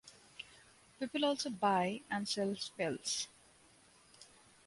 People also buy and sell spells.